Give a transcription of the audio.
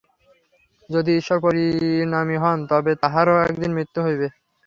যদি ঈশ্বর পরিণামী হন, তবে তাঁহারও একদিন মৃত্যু হইবে।